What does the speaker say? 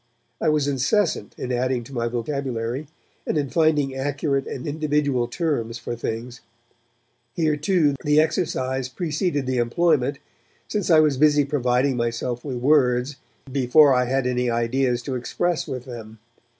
I was incessant in adding to my vocabulary, and in finding accurate and individual terms for things. Here, too, the exercise preceded the employment, since I was busy providing myself with words before I had any ideas to express with them.